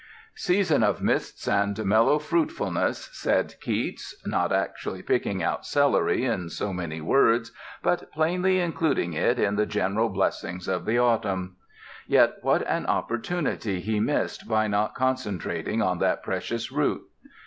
"Season of mists and mellow fruitfulness," said Keats, not actually picking out celery in so many words, but plainly including it in the general blessings of the autumn. Yet what an opportunity he missed by not concentrating on that precious root.